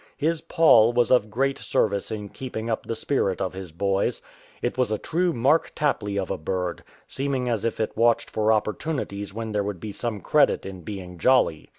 His Poll was of great service in keeping up the spirit of his boys. It was a true Mark Tapley of a bird, seeming as if it watched for opportunities when there would be some credit in being jolly.